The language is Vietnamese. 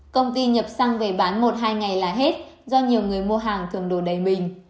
công ty nhập xăng về bán một hai ngày là hết do nhiều người mua hàng thường đổ đầy mình